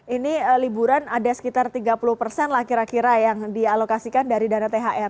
ini liburan ada sekitar tiga puluh persen lah kira kira yang dialokasikan dari dana thr